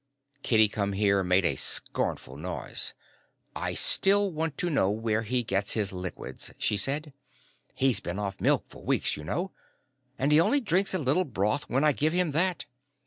Kitty Come Here made a scornful noise. "I still want to know where he gets his liquids," she said. "He's been off milk for weeks, you know, and he only drinks a little broth when I give him that.